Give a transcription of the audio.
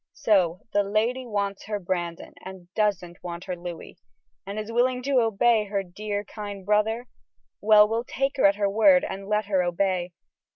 So the lady wants her Brandon, and doesn't want her Louis, yet is willing to obey her dear, kind brother? Well, we'll take her at her word and let her obey.